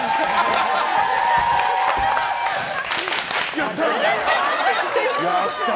やった！